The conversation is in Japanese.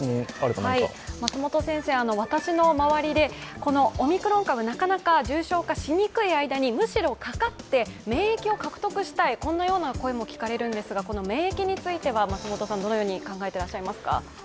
松本先生、私の周りでこのオミクロン株、なかなか重症化しにくい間にかかって免疫を獲得したい、こんなような声も聞かれるんですが、この免疫については、どのように考えていらっしゃいますか？